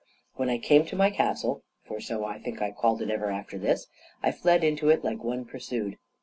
When I came to my castle (for so I think I called it ever after this), I fled into it like one pursued.